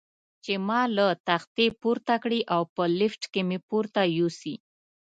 چې ما له تختې پورته کړي او په لفټ کې مې پورته یوسي.